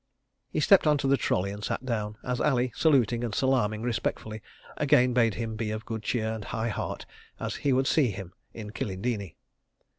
He stepped on to the trolley and sat down, as Ali, saluting and salaaming respectfully, again bade him be of good cheer and high heart, as he would see him at Kilindini.